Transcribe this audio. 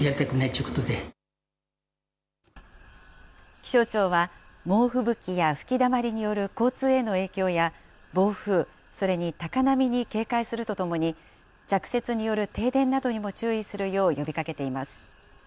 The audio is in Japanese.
気象庁は、猛吹雪や吹きだまりによる交通への影響や、暴風、それに高波に警戒するとともに、着雪による停電などにも注意するよう呼びかけています。